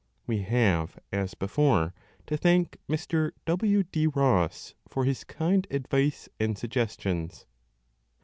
We have, as before, to thank Mr. W. D. Ross for his kind advice and suggestions.